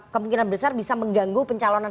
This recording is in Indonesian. kemungkinan besar bisa mengganggu pencalonan